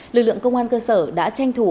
lực lượng công an cơ sở đã tranh thủ